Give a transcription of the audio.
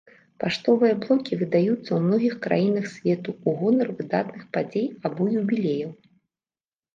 Паштовыя блокі выдаюцца ў многіх краінах свету ў гонар выдатных падзей або юбілеяў.